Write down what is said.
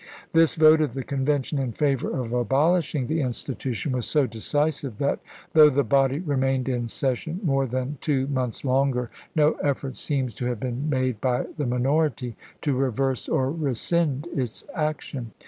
This vote of the Convention in favor of abolishing the institution was so decisive that though the body remained in session more than two months longer no effort seems to have been made by the minority to reverse or rescind its action.